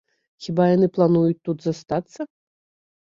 Хіба яны плануюць тут застацца?